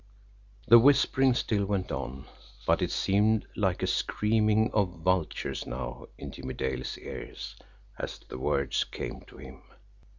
The whispering still went on but it seemed like a screaming of vultures now in Jimmie Dale's ears, as the words came to him.